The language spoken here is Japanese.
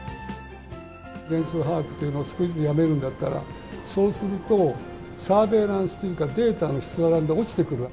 全数把握というのを少しずつやめるんだったら、そうすると、サーベランスというか、データの質なんて落ちてくる。